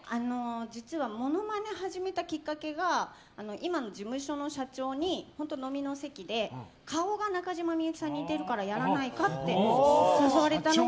実はモノマネを始めたきっかけが今の事務所の社長に、飲みの席で顔が中島みゆきさんに似てるからやらないかって誘われたのが。